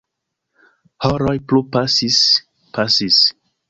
Horoj plu pasis, pasis.